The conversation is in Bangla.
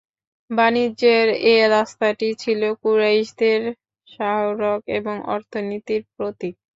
বাণিজ্যের এ রাস্তাটি ছিল কুরাইশদের শাহরগ এবং অর্থনীতির প্রতীক।